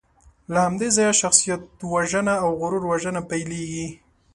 له همدې ځایه شخصیتوژنه او غرور وژنه پیلېږي.